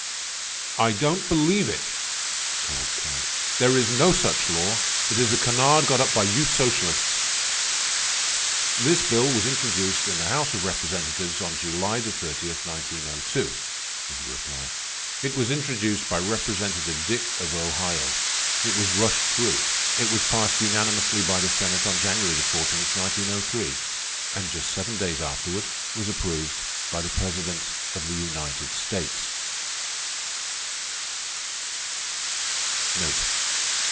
"I don't believe it!" Kowalt cried. "There is no such law. It is a canard got up by you socialists." "This bill was introduced in the House of Representatives on July 30, 1902," was the reply. "It was introduced by Representative Dick of Ohio. It was rushed through. It was passed unanimously by the Senate on January 14, 1903. And just seven days afterward was approved by the President of the United States."